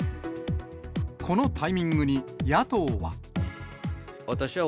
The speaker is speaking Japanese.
このタイミングに野党は。